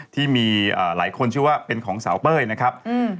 ที่มีหลายคนชื่อว่าเป็นของสาวเป้ยนะครับ